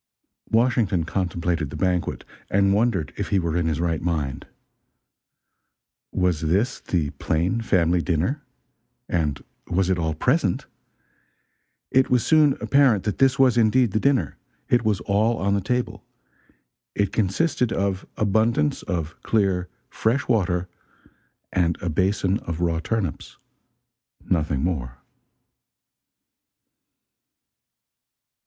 Washington contemplated the banquet, and wondered if he were in his right mind. Was this the plain family dinner? And was it all present? It was soon apparent that this was indeed the dinner: it was all on the table: it consisted of abundance of clear, fresh water, and a basin of raw turnips nothing more.